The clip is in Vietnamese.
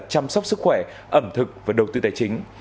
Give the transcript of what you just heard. chăm sóc sức khỏe ẩm thực và đầu tư tài chính